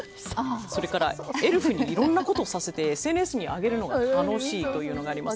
それから、エルフにいろんなことをさせてＳＮＳに上げるのが楽しいというのがあります。